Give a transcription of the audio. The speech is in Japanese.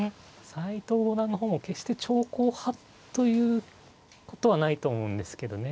斎藤五段の方も決して長考派ということはないと思うんですけどね。